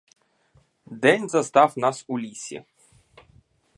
День застав нас у лісі.